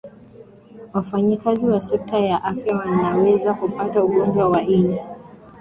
wafanyakazi wa sekta ya afya wanaweza kupata ugonjwa wa ini